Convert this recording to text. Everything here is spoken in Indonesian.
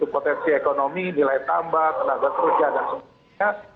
potensi ekonomi nilai tambah tenaga kerja dan sebagainya